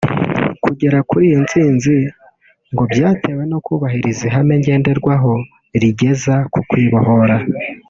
Kugera kuri iyo ntsinzi ngo byatewe no kubahiriza ihame ngenderwaho rigeza ku kwibohora